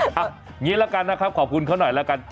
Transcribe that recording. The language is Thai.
แบบนี้แล้วกันนะครับขอบคุณเพราะหน่อยนะ